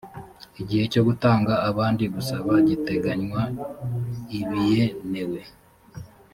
igihe cyo gutanga abandi gusaba giteganywa ibienewe